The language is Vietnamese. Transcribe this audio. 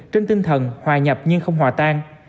trên tinh thần hòa nhập nhưng không hòa tan